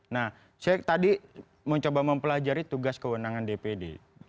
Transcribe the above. nah saya tadi mencoba mempelajari tugas kewenangan dpd